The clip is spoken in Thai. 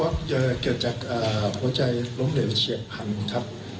เกี่ยวจากหัวใจลงเดินเชียบขัมครับ